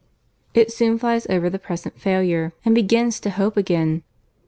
It soon flies over the present failure, and begins to hope again.